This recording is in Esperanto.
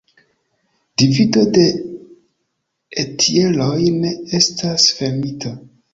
Divido de entjeroj ne estas fermita.